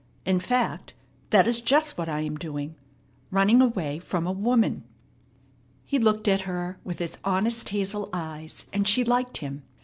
In fact, that is just what I am doing, running away from a woman!" He looked at her with his honest hazel eyes, and she liked him.